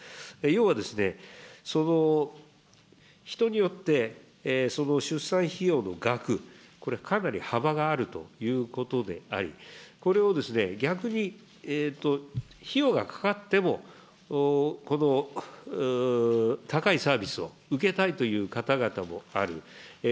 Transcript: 要は、人によって、その出産費用の額、これ、かなり幅があるということであり、これを逆に、費用がかかっても、高いサービスを受けたいという方々もある。